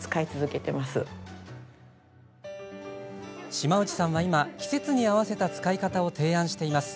島内さんは今、季節に合わせた使い方を提案しています。